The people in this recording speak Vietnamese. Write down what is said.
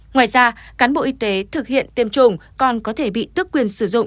ngoài ra cán bộ y tế thực hiện tiêm chủng còn có thể bị tước quyền sử dụng